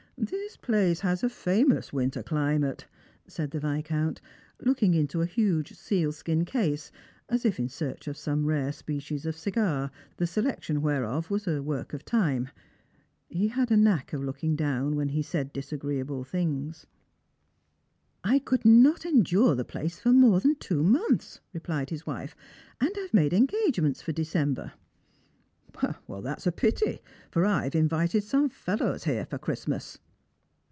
This place has a famous winter climate," said the Viscount, looking into a huge sealskia case, as if in search of some rare species of cigar, the selection whereof was a work of time. He had a knack of looking down when he said disagreeable things. " I could not endure the place for more than two months," replied his wife, " and I have made engagements for December." " That's a pity ; for I have invited some feUowa here for Christmas."